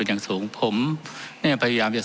ทั้งสองกรณีผลเอกประยุทธ์